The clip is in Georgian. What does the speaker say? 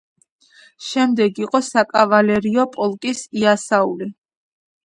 შემდეგ იყო საკავალერიო პოლკის იასაული.